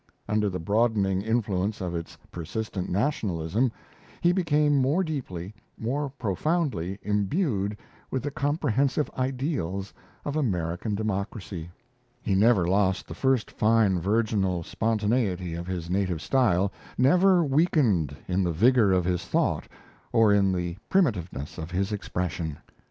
Under the broadening influence of its persistent nationalism, he became more deeply, more profoundly, imbued with the comprehensive ideals of American democracy. He never lost the first fine virginal spontaneity of his native style, never weakened in the vigour of his thought or in the primitiveness of his expression.